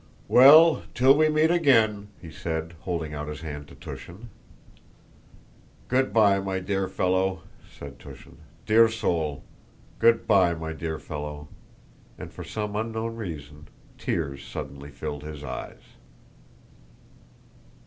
"Well, till we meet again..." he said, holding out his hand to Túshin. "Good by, my dear fellow," said Túshin. "Dear soul! Good by, my dear fellow!" and for some unknown reason tears suddenly filled his eyes.